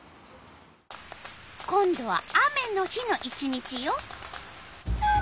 今度は雨の日の１日よ。